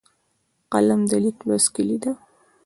قلم د لیک لوست کلۍ ده